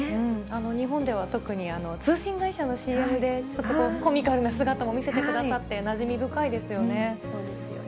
日本では特に通信会社のＣＭで、ちょっとコミカルな姿も見せてくださって、なじみ深いですよね。